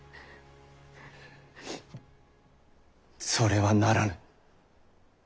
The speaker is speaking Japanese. それはならぬ。